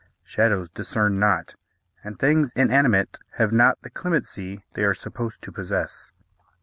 Shadows discern not, and things inanimate have not the clemency they are supposed to possess.